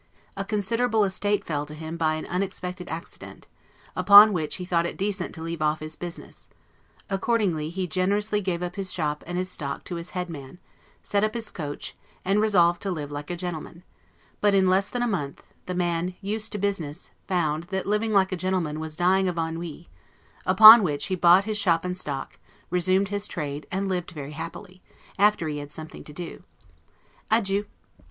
A considerable estate fell to him by an unexpected accident; upon which he thought it decent to leave off his business; accordingly he generously gave up his shop and his stock to his head man, set up his coach, and resolved to live like a gentleman; but, in less than a month, the man, used to business, found, that living like a gentleman was dying of ennui; upon which he bought his shop and stock, resumed his trade, and lived very happily, after he had something to do. Adieu.